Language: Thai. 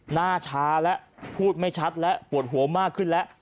หน้าช้าแล้วพูดไม่ชัดและปวดหัวมากขึ้นแล้ว